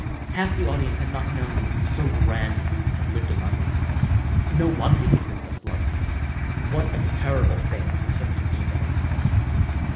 Half the audience had not known so grand a youth had lived among them. No wonder the princess loved him! What a terrible thing for him to be there!